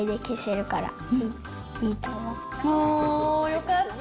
よかった。